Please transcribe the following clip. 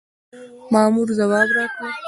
مامور ځواب راکړ.